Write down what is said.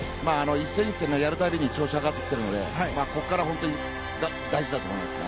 １戦１戦やる度に調子が上がってきているのでここから本当に大事だと思いますね。